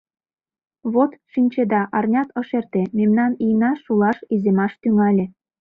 Вот, шинчеда, арнят ыш эрте, мемнан ийна шулаш, иземаш тӱҥале.